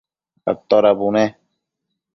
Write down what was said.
atoda bune?